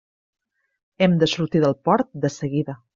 Hem de sortir del port de seguida.